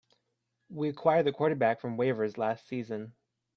We acquired the quarterback from waivers last season.